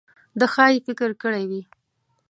ده ښايي فکر کړی وي.